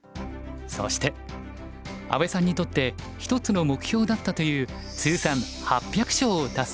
そして阿部さんにとって一つの目標だったという通算８００勝を達成。